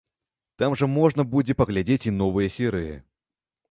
Там жа можна будзе паглядзець і новыя серыі.